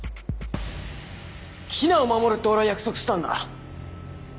ヒナを守るって俺は約束したんだ。